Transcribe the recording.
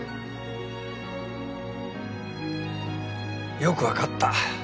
よく分かった。